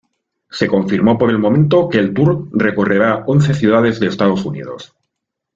Se confirmó, por el momento, que el tour recorrerá once ciudades de Estados Unidos.